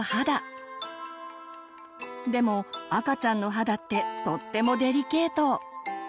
でも赤ちゃんの肌ってとってもデリケート。